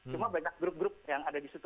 cuma banyak grup grup yang ada di situ